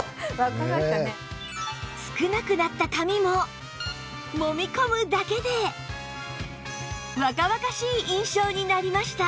少なくなった髪ももみ込むだけで若々しい印象になりました